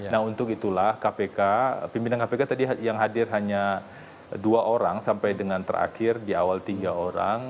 nah untuk itulah kpk pimpinan kpk tadi yang hadir hanya dua orang sampai dengan terakhir di awal tiga orang